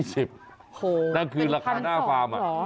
โหเป็นทันสองเหรอ